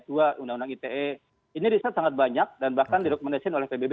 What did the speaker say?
lkuhp pasal dua puluh delapan ayat dua undang undang ite ini riset sangat banyak dan bahkan didokumenasi oleh pbb